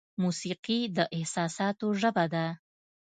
موسیقي د احساساتو ژبه ده.